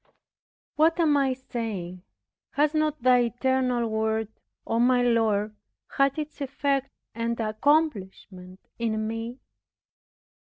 What am I saying? Has not Thy eternal Word, O my Lord, had its effect and accomplishment in me?